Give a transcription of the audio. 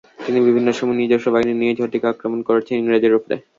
তিনি বিভিন্ন সময় নিজস্ব বাহিনী নিয়ে ঝটিকা আক্রমণ করেছেন ইংরেজের ওপর।